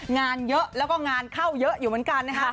งานเยอะแล้วก็งานเข้าเยอะอยู่เหมือนกันนะคะ